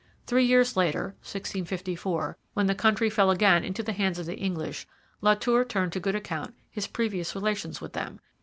Three years later (1654), when the country fell again into the hands of the English, La Tour turned to good account his previous relations with them.